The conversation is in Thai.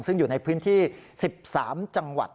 ซึ่งอยู่ในพื้นที่๑๓จังหวัด